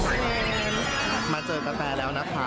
สวัสดีครับมาเจอกับแฟแล้วนะครับ